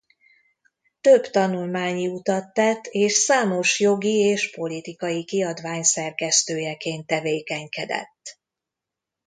Több tanulmányi utat tett és számos jogi és politikai kiadvány szerkesztőjeként tevékenykedett.